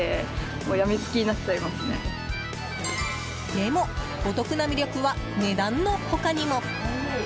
でも、お得な魅力は値段の他にも。